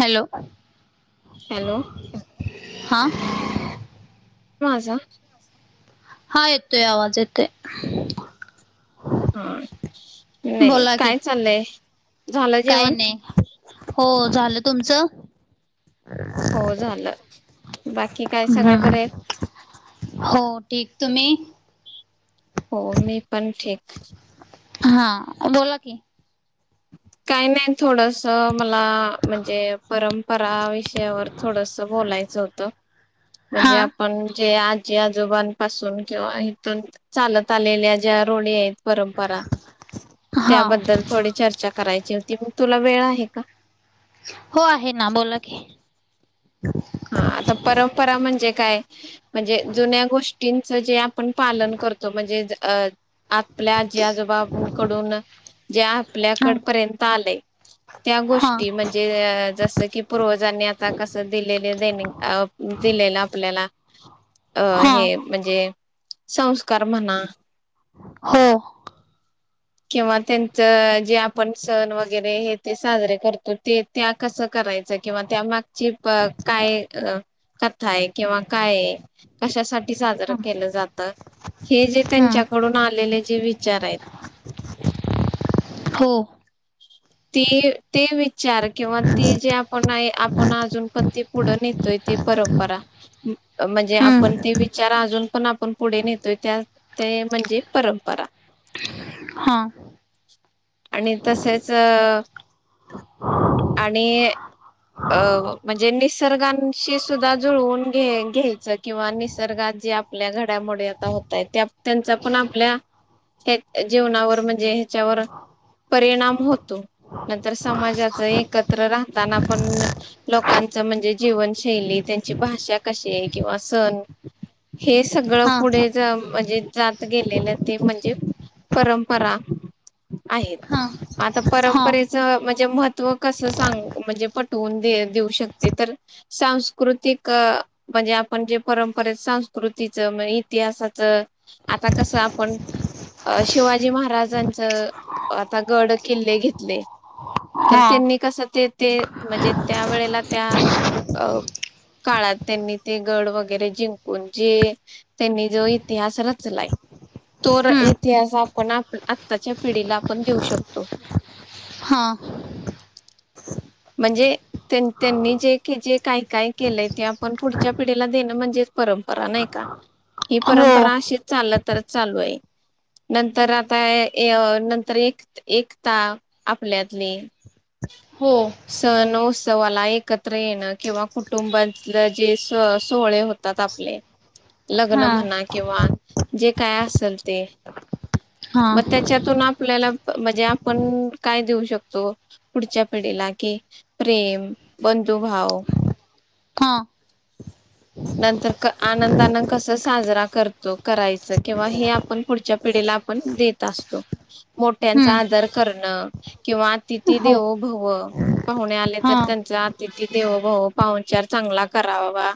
Hello hello हा माझा. हा येतोय आवाज येतोय. हा नाही बोला की काय चाललंय झालं काय जेवण. नाही हो झालं तुमचं. हो झालं. बाकी काय. सगळे हम् बरे आहेत हो ठीक तुम्ही. हो मी पण ठीक. हा बोला की. काही नाही थोडस मला म्हणजे परंपरा विषयावर. थोडस बोलायचं होतं. म्हणजे हा आपण जे आजी आजोबांपासून किंवा इथून चालत. ता आलेल्या ज्या रूढी आहेत परंपरा हा त्याबद्दल. थोडी चर्चा करायची होती मग तुला वेळ आहे का. हो आहे ना बोला की. हा आता परंपरा म्हणजे काय. म्हणजे जुन्या गोष्टींच जे आपण पालन करतो म्हणजे अ''--'' आपल्या जी आजोबाबूकडून जे हा आपल्याकड पर्यंत आलेय. त्या हा गोष्टी म्हणजे जस की पूर्वजांनी आता कसं दिलं ''--'' दि दिलेलं देन आपल्याला अ हा हे म्हणजे. संस्कार म्हणा. हो, [inaudible] किंवा त्यांच जे आपण सण वगैरे हे ते साजरे करतो ते. त्या कसं करायचं किंवा त्यामागची. क काय अ कथा आहे किंवा काय. कशासाठी साजरं हा केलं जात हे जे हम्म त्यांच्याकडून आलेले जे विचार. चार आहेत. हो, ती ते विचार किंवा ती जे आपण आपण अजून पण ती. पुढं नेतोय ती परंपरा. म्हणजे आपण हम्म ते विचार अजून पण आपण पुढे नेतोय त्या. त्या या म्हणजे परंपरा. हा, आणि तसेच आणि. अ म्हणजे निसर्गांशी सुद्धा जुळवून घे घ्यायचं किंवा निसर्गात जे आप ''--'' आपल्या घड्यामुळे आता होतय त्या त्यांचा पण आपल्या. ह जेवनावर म्हणजे ह्याच्यावर परिणाम होत. तो नंतर समाजाच एकत्र राहताना पण लोकांच म्हणजे जीवनशैली त्यांची भाषा कशी आहे किंवा सण. हे सगळं हा पुढे जाऊन म्हणजे जात. गेलेले ते म्हणजे परंपरा आहेत. हा आता हा परंपरेच म्हणजे महत्त्व कसं सांग म्हणजे पटवून दे देऊ शकते तर. सांस्कृतिक. म्हणजे आपण जे परंपरेेत संस्कृतीचं म्हण इतिहासाचं. आता कसं आपण, अ शिवाजी महाराजांचं, आता गड किल्ले घेतले, तर हा त्यांनी कस ते ते, म्हणजे त्या वेळेला त्या, अ काळात, त्यांनी ते गड वगैरे जिंकून जे त्यांनी, जो इतिहास रचलाय तो र हम्म इतिहास आपण आप-आत्ताच्या पिढीला, आपण देऊ शकतो. हां. म्हणजे त्यांन-त्यांनी जे क् जे काय-काय केलंय, ते आपण पुढच्या पिढीला देणं, म्हणजे परंपरा, नाही का? ही हो परंपरा, अशीच चाल तर चालू ये. नंतर आता य नंतर एक-एकता, आपल्यातली. हो. सण उत्सवाला एकत्र येणं किंवा कुटुंबातलं जे स-सोहळे होतात आप ले, हा लग्न म्हणा किंवा जे काय असल ते. हा म त्याच्यातून आपल्याला, म्हणजे आपण काय देऊ शकतो? पुढच्या पिढीला की, प्रेम, बंधुभाव हा नंतर क् आनंदान कस साजरा करतो, करायचं किंवा हे आपण पुढच्या पिढीला पण देत असतो, मोठ्यांचा हम्म आदर करणं किंवा अतिथी हो देवो भव, पाहुणे आले हा तर, त्यांचा अतिथी देवभव, पाहुनचार चांगला करावा.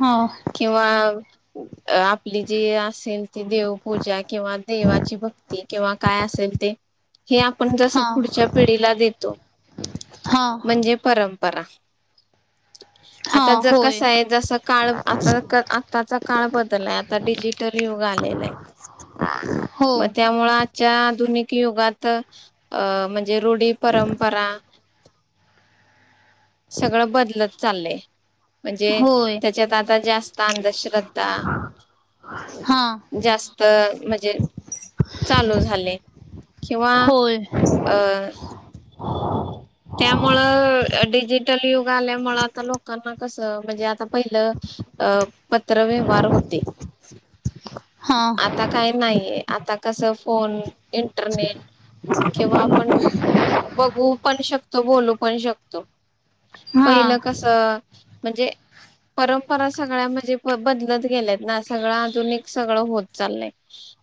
हां. किंवा अ आपली जी असेन, ती देवपूजा किंवा देवाची भक् ती किंवा काय असेल ते, हे आप पण जस हा पुढच्या पिढीला देतो, हा म्हणजे परम परा, हा आता ज होय कसं ये, जसं काळ आता क् आत्ताचा काळ बदलाय, आता डिजिटल युग आलेलय. हो म त्यामुळं, आ जच्या आधुनिक युगात, अ म्हणजे रूढी, परंपरा सगळं बदलत चाललय, म्हणजे होय च्यात आता जास्त अंधश्रद्धा हां. जास्त, म्हणजे चालू झाले. किंवा होय अं त्यामुळं डिजिटल युग आल्यामुळ, आता लोकांना कसं, म्हणजे आता पहिलं अ पत्र व्यवहार होते. हां. काई नाहीये, आता कसं फोन इंटरनेट किंवा आपण बघू पण शक तो, बोलू पण शकतो, हा पहिलं कस, म्हणजे परंपरा सगळ्या, म्हणजे बदलत गेल्यात ना, सगळं आधुनिक, सगळं होत चाललंय.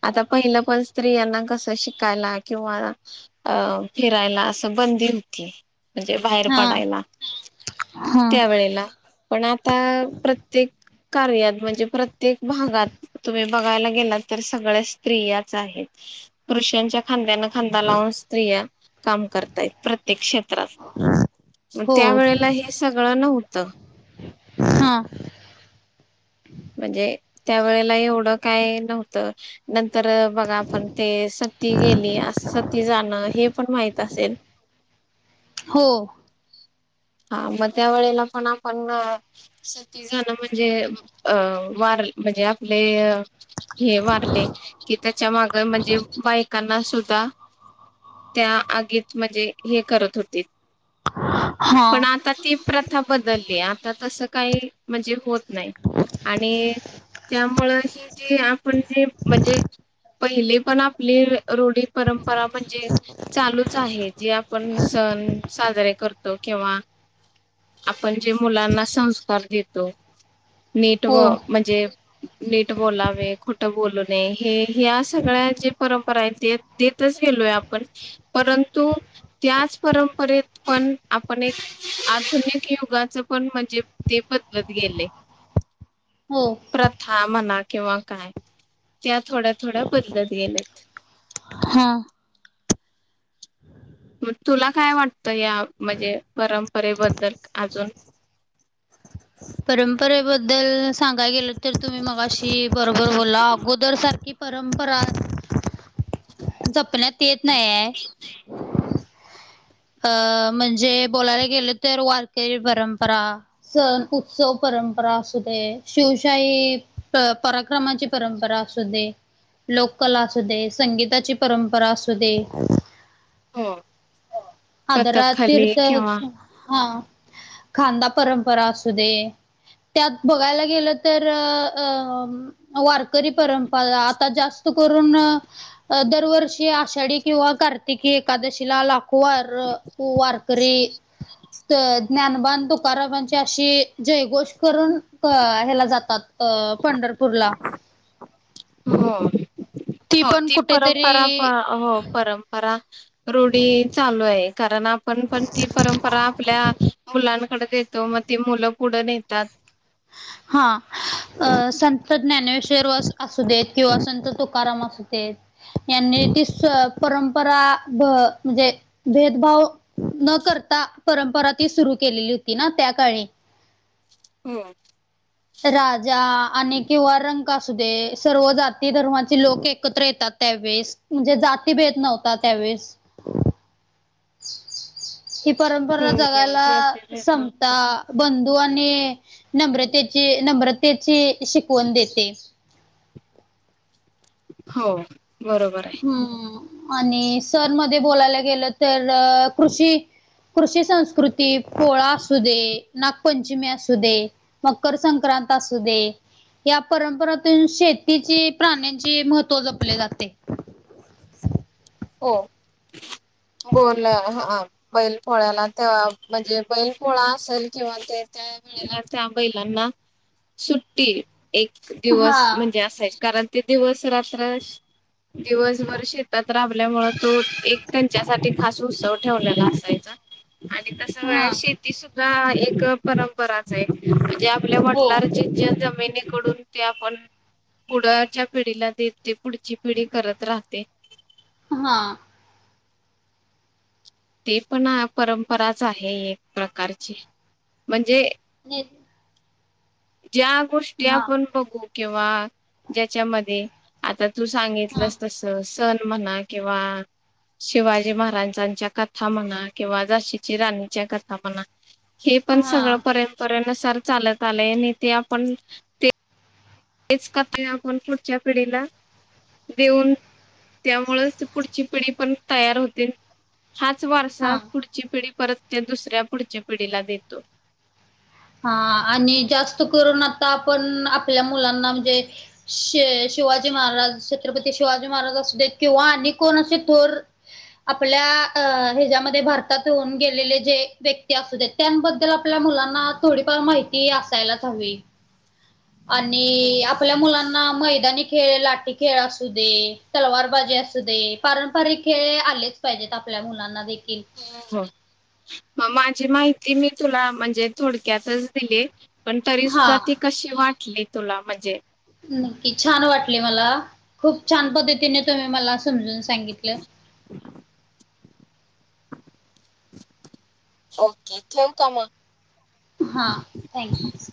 आता पहिलं पण स्त्रियांना कसं शिकायला किंवा अ फिरायला असं बंदी ती, म्हणजे बाहेर हा पडायला, हा त्यावेेळेला पण आता, प्रत्येक कार्यात, म्हणजे प्रत्येक भागात तुम्ही बघायला गेलात, तर सगळ्या स्त्रियाच आहेत. पुरुषांच्या खांद्याना खांदा लावून स्त्रिया काम करताय प्रत्ये क क्षेत्रात म हो त्या वेळेला हे सगळं नव्हतं. हां म्हणजे त्यावेेळेला एवढं काय नव्हतं नंतर बघा आपण ते सती गेली सती जाणं हे पण माहित असेल हो. हा म त्यावेळेला पण आपण सती जाण म्हणजे अ वार म्हणजे आपले हे वारले की त्याच्या माग म्हणजे बायकांना सुद्धा त्या आगीत म्हणजे हे करत होती हा पण आता ती प्रथा बदलली आता तसं काही म्हणजे होत नाही. आणि त्यामुळं हि जी आपण जे म्हणजे पहिले पण आपली रुढी परंपरा म्हणजे चालूच आहे जे आपण सण साजरे कर तो किंवा आपण जे मुलांना संस्कार देतो, नीट हो व म्हणजे नीट बोलावे, खोटं बोलू नये, हे ह्या सगळ्या जी परंपरा आहेत ते देतच गेलोय आपण परंतु त्याच परंपरेत पण आपण एक आधुनिक युगाच पण म्हणजे ते बदलत गेले. [inaudible] हो. प्रथा म्हणा किंवा काय त्या थोड्या थोड्या बदलत गेल्यात. हां. म तुला काय वाटतं या म्हणजे परंपरेबद्दल आजून? परंपरेबद्दल सांगाय गेल तर तुम्ही मगाशी बरोबर बोला आगोदर सारखी परंपरा जपण्यात येत नाहीेये. [unintelligible] अ म्हणजे बोलायला गेलं तर वारकरी परंपरा सण, उत्सव, परंपरा असूदे शिवशाही प पराक्रमाची परंपरा असूदे, लोककला असूदे, संगीताची परंपरा असूदे, हो. कथकली आदरातीर्थ किंवा हा खांदा परंपरा असूदे, त्यात बघायला गेल तर अ वारकरी परंपळा आता जास्त करून दरवर्षी आषाढी किंवा कार्तिककी एकादशीला लाखो र वारकरी त ज्ञानबा आण तुकारामाची आशी जयघोष करून हेला जातात, अ पंढरपूरला. हो हो पण ती परंपरा कुठेतरी हो परंप रा रुढी चालू आहे. कारण आपण पण ती परंपरा आपल्या मुलांकड देतो म ती मुलं पुढ नेहतात. हां. अ संत ज्ञानेश्वर वस आसू देत किंवा संत तुकाराम असूदे, यांनी ती स परंपरा भ म्हणजे भेदभाव न करता, परंपरा ती सुरू केलेली होती ना, त्या काळी. होय. राजा आणि किंवा रंका असू दे. सर्व जाती- धर्माचे लोक एकत्र येतात त्यावेेळेस. म्हणजे, जातीभेद नव्हता त्यावेळेस. ही परंपरा हो हो जगायला. चालतंय. समता बंधू आणि नम्रतेची- नम्रतेची, शिकवण देते. हो. बरोबराय. ह् आणि सर मध्ये बोलायला गेलंत तर कृषी - कृषी संस्कृती, पोळा असू दे. नागपंचीमी असू दे. मकरसंक्रांत असू दे. या परंपरातून शेतीची, प्राण्यांची महत्त्व जपले जाते. हो. बोला, हा. बैल पोळ्याला तेव्हा, म्हणजे बैल पोळा असेल किंवा ते त्या वेळेला, त्या बैलांना सुट्टी. एक हा. दिवस म्हणजे असायची. कारण ते दिवस - रात्र शे दिवसभर शेतात राबल्यामुळ. तो एक त्यांच्यासाठी, खास उत्सव ठेवलेला असायचा. आणि तस हा. बघाय शे ती सुद्धा एक परंपराचय. म्हणजे आपल्या हो. वडलारची ज्या, जमिनीकडून ते आपण, पुढच्या पिढीला देते. पुढची पिढी करत राहते. हां. ते पणा परंपराच आहे एक प्रकारची. म्हणजे [unintelligible] ज्या गोष्टी हा. आपण बघू किंवा ज्याच्यामध्ये आता तू हा. सांगितलंस तस. सण म्हणा किंवा शिवाजी महाराजांच्या कथा म्हणा. किंवा झाशीची राणीच्या कथा म्हणा. हे पण हा. सगळं, परयंपरेनुसार चालत आलंय. आणि ते आपण, ते तेच [unintelligible] आपण पुढच्या पिढीला, दिऊन त्यामुळच, पुढची पिढी पण तयार होते. हाच वारसा हा. पुढ ची पिढी परत त्या दुसऱ्या, पुढच्या पीढीला देतो. हा आणि जास्त करून आता आपण, आपल्या मुलांना म्हणजे, शे शिवाजी महाराज, छत्रपती शिवाजी महाराज असू देत किंवा अ कोण असे थोर आपल्या अ ह्याच्यामध्ये, भारतात होऊन गेलेले, जे व्यक्ती असू देत. त्यांबद्दल आपल्या मुलांना, थोडीफार माहिती असायलाच हवी. आणि आपल्या मुलांना, मैदानी खेळ, लाठी खेळ असू दे. तलवारबाजी असू दे. पारंपरिक खेळ हे आलेच पाहिजेत. आपल्या मुलांना देखील. हो, हो. मग माझी माहिती मी तुला, म्हणजे थोडक्यातच दिलीय. पण तरी सुद्धा ती हां. कशी, वाटली तुला? म्हणजे नक्की. छान वाटले मला. खूप छान पद्धतीने तुम्ही मला, समजून सांगितलं. ओके. ठेऊ का, मग? हां. Thank you.